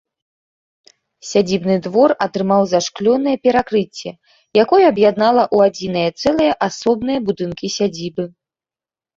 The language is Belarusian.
Сядзібны двор атрымаў зашклёнае перакрыцце, якое аб'яднала ў адзінае цэлае асобныя будынкі сядзібы.